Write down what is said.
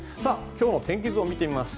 今日の天気図です。